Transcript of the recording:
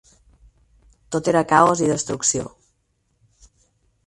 Tot era caos i destrucció.